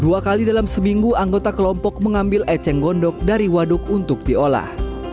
dua kali dalam seminggu anggota kelompok mengambil eceng gondok dari waduk untuk diolah